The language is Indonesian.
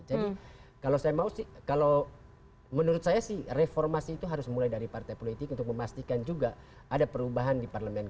jadi kalau saya mau sih kalau menurut saya sih reformasi itu harus mulai dari partai politik untuk memastikan juga ada perubahan di partai politik